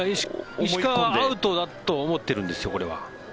石川はアウトだと思ってるんですよ、これは。